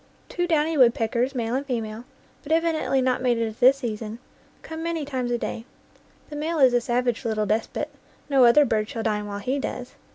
Two downy woodpeckers, male and female, but evidently not mated at this season, come many times a day. The male is a savage little despot; no other bird shall dine while he does.